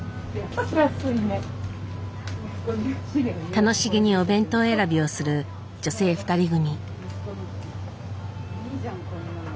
楽しげにお弁当選びをする女性２人組。